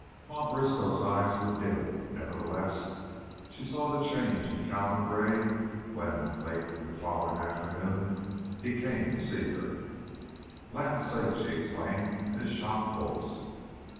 Ma Briskow's eyes were dim; nevertheless, she saw the change in Calvin Gray when, late the following afternoon, he came to see her. "Land sakes!" she exclaimed, in a shocked voice.